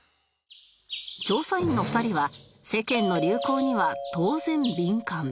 調査員の２人は世間の流行には当然敏感